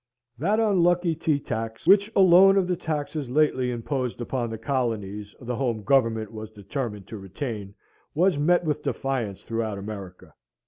That unlucky tea tax, which alone of the taxes lately imposed upon the colonies, the home Government was determined to retain, was met with defiance throughout America.